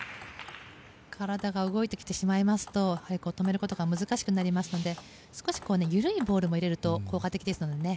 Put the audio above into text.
体が動いてきてしまいますと止めることが難しくなりますので少し緩いボールも入れると効果的ですのでね。